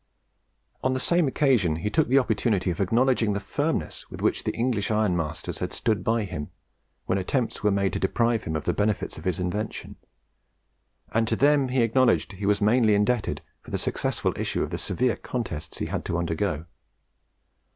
On the same occasion he took the opportunity of acknowledging the firmness with which the English ironmasters had stood by him when attempts were made to deprive him of the benefits of his invention; and to them he acknowledged he was mainly indebted for the successful issue of the severe contests he had to undergo.